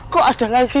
kok ada lagi